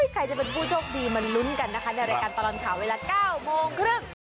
ใครจะเป็นผู้โชคดีมาลุ้นกันนะคะในรายการตลอดข่าวเวลา๙โมงครึ่ง